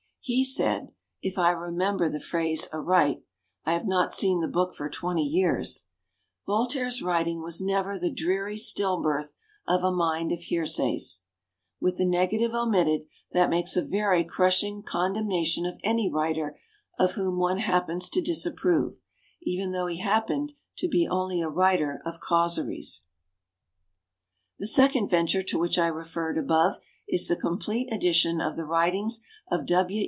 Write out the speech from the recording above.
He said, if I remember the phrase aright (I have not seen the book for twenty years) : "Voltaire's writing was never the dreary still birth of a mind of hear says." With the negative omitted, that makes a very crushing condenma tion of any writer of whom one hap pens to disapprove — even though he happen to be only a writer of caus eries. « The second venture to which I re ferred above is the complete edition of the writings of W.